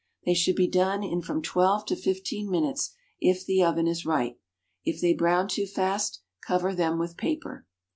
They should be done in from twelve to fifteen minutes if the oven is right. If they brown too fast, cover them with paper.